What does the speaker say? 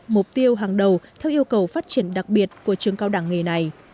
mục tiêu hàng đầu theo yêu cầu phát triển đặc biệt của trường cao đẳng nghề này